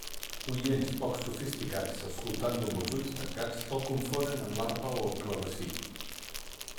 Oients poc sofisticats escoltant-lo amb els ulls tancats el confonen amb l'arpa o el clavecí.